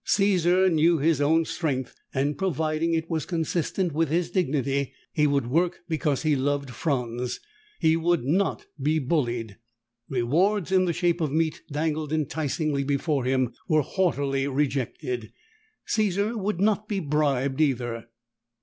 Caesar knew his own strength and, providing it was consistent with his dignity, he would work because he loved Franz. He would not be bullied. Rewards in the shape of meat dangled enticingly before him were haughtily rejected. Caesar would not be bribed, either.